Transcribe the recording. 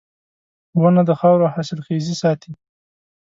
• ونه د خاورو حاصلخېزي ساتي.